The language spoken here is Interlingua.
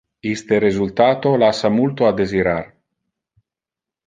Iste resultato lassa multo a desirar.